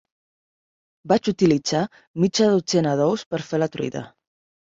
Vaig utilitzar mitja dotzena d'ous per fer la truita.